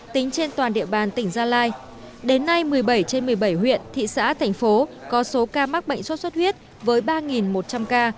tính trên toàn địa bàn tỉnh gia lai đến nay một mươi bảy trên một mươi bảy huyện thị xã thành phố có số ca mắc bệnh sốt xuất huyết với ba một trăm linh ca